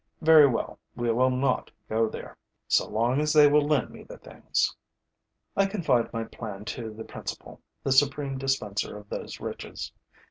Very well, we will not go there, so long as they will lend me the things. I confide my plan to the principal, the supreme dispenser of those riches.